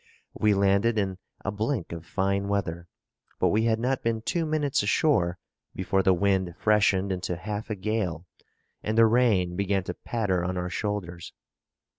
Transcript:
We landed in a blink of fine weather; but we had not been two minutes ashore before the wind freshened into half a gale, and the rain began to patter on our shoulders.